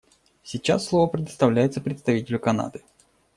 Сейчас слово предоставляется представителю Канады.